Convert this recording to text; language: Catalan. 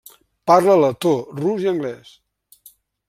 Parla letó, rus i anglès.